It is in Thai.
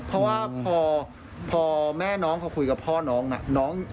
เพราะว่าพอแม่น้องเขาคุยกับพ่อน้องน่ะ